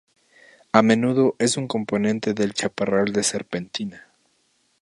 A menudo es un componente del chaparral de serpentina.